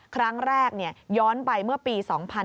ครั้งแรกย้อนไปเมื่อปี๒๓๙๒